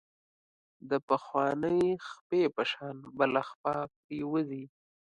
د پخوانۍ خپې په شان بله خپه پرېوځي.